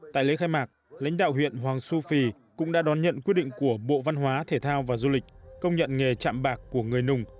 tại lễ khai mạc lãnh đạo huyện hoàng su phi cũng đã đón nhận quyết định của bộ văn hóa thể thao và du lịch công nhận nghề chạm bạc của người nùng